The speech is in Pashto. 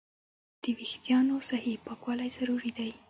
د وېښتیانو صحیح پاکوالی ضروري دی.